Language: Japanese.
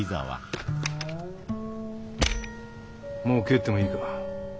もう帰ってもいいか？